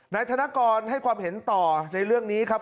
นายธนกรให้ความเห็นต่อในเรื่องนี้ครับ